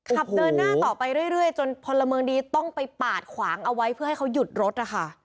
ขับเดินหน้าต่อไปเรื่อยจนพลเมืองดีต้องไปปาดขวางเอาไว้เพื่อให้เขาหยุดรถนะคะ